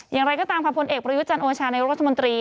อย่างไรก็ตามความผลเอกประยุทธ์จันทร์โอชาในรัฐมนตรี